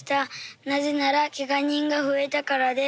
なぜならけが人が増えたからです。